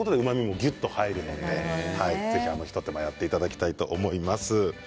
ぎゅっと味が入るのでぜひあの一手間やっていただきたいと思います。